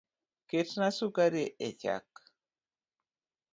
Ketna sukari echak